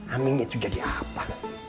aming itu jadi apa